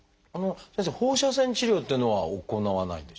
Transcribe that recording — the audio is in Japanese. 先生放射線治療っていうのは行わないんでしょうか？